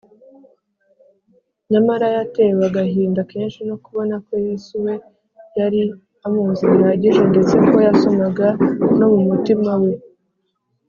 nyamara yatewe agahinda kenshi no kubona ko yesu we yari amuzi bihagije, ndetse ko yasomaga no mu mutima we